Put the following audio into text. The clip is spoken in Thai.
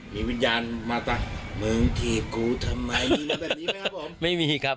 มีวิญญาณมาตั้งมึงถีบกูทำไมอะไรแบบนี้ไหมครับผม